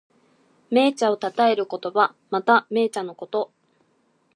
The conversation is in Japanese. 銘茶をたたえる言葉。また、銘茶のこと。